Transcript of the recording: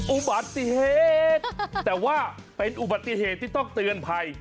อุบัติเหตุแต่ว่าเป็นอุบัติเหตุที่ต้องเตือนภัย